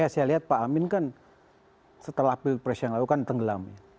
saya lihat pak amin kan setelah pilpres yang lalu kan tenggelam